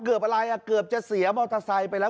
เกือบอะไรหรือเกือบจะเสียมอเตอร์ไซค์ไปแล้ว